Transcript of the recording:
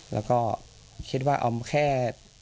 แล้วก็คิดว่าเอาแค่